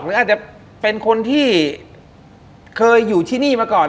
หรืออาจจะเป็นคนที่เคยอยู่ที่นี่มาก่อน